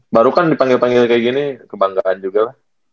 baru kan dipanggil panggil kayak gini kebanggaan juga lah